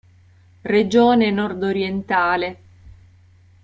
Regione Nordorientale